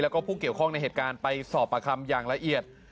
แล้วก็ผู้เกี่ยวข้องในเหตุการณ์ไปสอบประคำอย่างละเอียด